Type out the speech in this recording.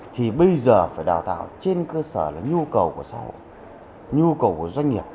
thì bây giờ phải đào tạo trên cơ sở là nhu cầu của xã hội nhu cầu của doanh nghiệp